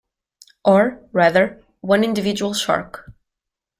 Or, rather, one individual shark.